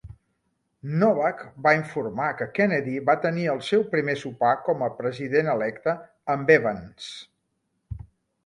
Novak va informar que Kennedy va tenir el seu primer sopar com a president electe amb Evans.